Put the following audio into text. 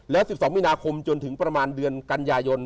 และ๑๒มีนาคมจนถึงประมาณเดือนกันยายน